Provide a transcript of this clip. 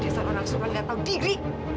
dia salah langsung lihat tahu diri